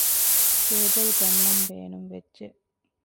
ކޭބަލް ގަންނަން ބޭނުންވެއްޖެ